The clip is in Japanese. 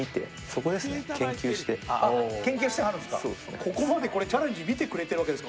ここまでチャレンジ見てくれているわけですか？